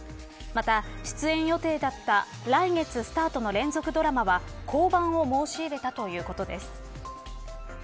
また、出演予定だった来月スタートの連続ドラマは降板を申し入れたということです。